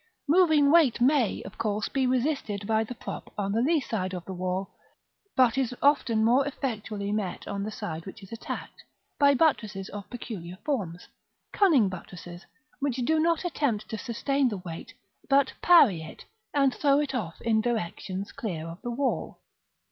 Moving weight may, of course, be resisted by the prop on the lee side of the wall, but is often more effectually met, on the side which is attacked, by buttresses of peculiar forms, cunning buttresses, which do not attempt to sustain the weight, but parry it, and throw it off in directions clear of the wall.